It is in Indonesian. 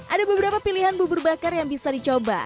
ada beberapa pilihan bubur bakar yang bisa dicoba